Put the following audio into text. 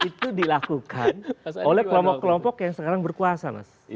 itu dilakukan oleh kelompok kelompok yang sekarang berkuasa mas